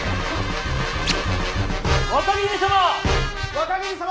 若君様！